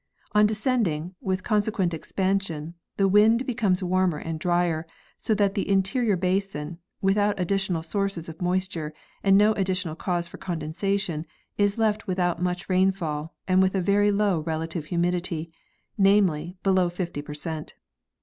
On descending, with consequent expansion, the wind becomes warmer and drier, so that the interior basin, without additional sources of moisture and no additional cause for condensation, is left without much rainfall and with a very low relative humidity, namely, below 50 per cent.